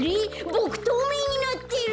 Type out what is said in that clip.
ボクとうめいになってる！？